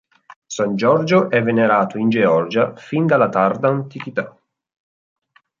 San Giorgio è venerato in Georgia fin dalla tarda antichità.